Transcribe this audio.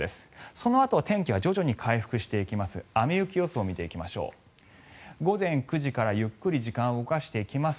そのあと天気は徐々に回復していきます。